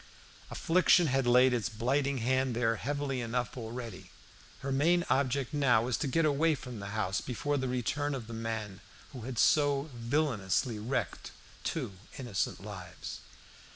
Affliction had laid its blighting hand there heavily enough already. Her main object now was to get away from the house before the return of the man who had so villainously wrecked two innocent lives.